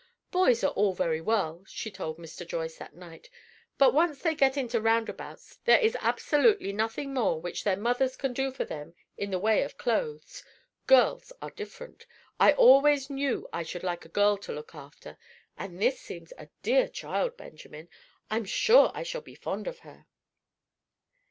"Boys are all very well," she told Mr. Joyce that night. "But once they get into roundabouts, there is absolutely nothing more which their mothers can do for them in the way of clothes. Girls are different. I always knew that I should like a girl to look after, and this seems a dear child, Benjamin. I'm sure I shall be fond of her."